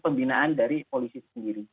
pembinaan dari polisi sendiri